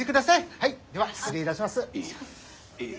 はいでは失礼いたします。